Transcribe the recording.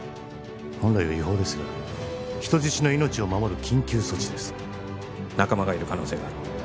本来は違法ですが人質の命を守る緊急措置です仲間がいる可能性がある